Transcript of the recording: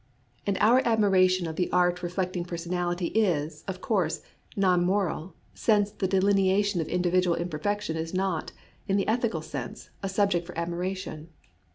And our admiration of the art reflecting personality is, of course, non moral, since the delineation of individual imperfection is not, in the ethical sense, a sub ject for admiration.